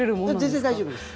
全然大丈夫です。